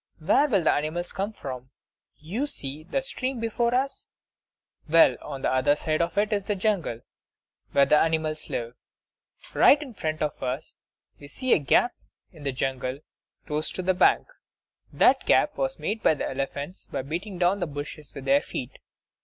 Where will the animals come from? You see the stream before us; well, on the other side of it is the jungle, where the animals live. Right in front of us we see a gap in the jungle close to the bank. That gap was made by elephants by beating down the bushes with their feet.